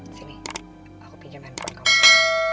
sini aku pinjam handphone kamu